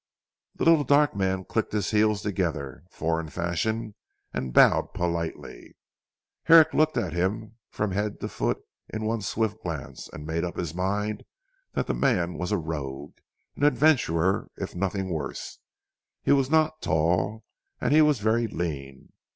The little dark man clicked his heels together, foreign fashion, and bowed politely. Herrick looked at him from head to foot in one swift glance, and made up his mind that the man was a rogue, an adventurer, if nothing worse. He was not tall, and he was very lean.